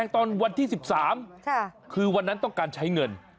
ตอนวันที่๑๓คือวันนั้นต้องการใช้เงิน